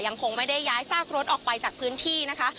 คงไม่ได้ย้ายซากรถออกไปจากพื้นที่นะคะ